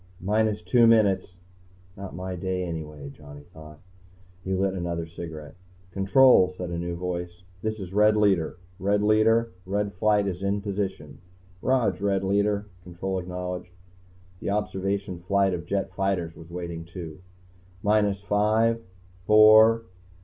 "Minus two minutes." Not my day, anyway, Johnny thought. He lit another cigarette. "Control," said a new voice, "This is Red Leader. Red Leader. Red Flight is in position." "Rog, Red Leader," Control acknowledged. The Observation flight of jet fighters was waiting, too. "Minus five ... four